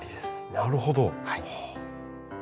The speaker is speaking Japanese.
なるほど。